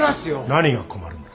何が困るんだ。